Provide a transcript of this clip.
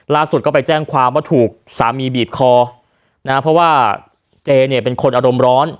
ล่าสุดก็ไปแจ้งความว่าถูกสามีบีบคอนะเพราะว่าเจเนี่ยเป็นคนอารมณ์ร้อน